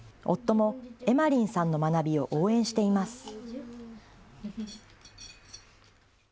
夫もエマリンさんの学びを応援しています。